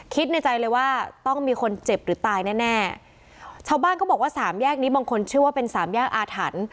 ในใจเลยว่าต้องมีคนเจ็บหรือตายแน่แน่ชาวบ้านก็บอกว่าสามแยกนี้บางคนเชื่อว่าเป็นสามแยกอาถรรพ์